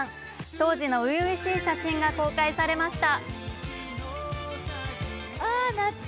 当時の初々しい写真が公開されました。